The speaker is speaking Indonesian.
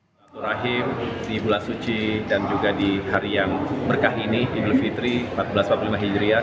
silaturahim di bulan suci dan juga di hari yang berkah ini idul fitri seribu empat ratus empat puluh lima hijriah